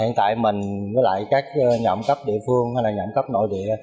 hiện tại mình với lại các nhà ẩm cấp địa phương hay là nhà ẩm cấp nội địa